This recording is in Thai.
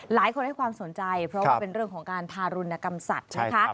หลายคนให้ความสนใจเพราะว่าเป็นเรื่องของการทารุณกรรมสัตว์นะคะ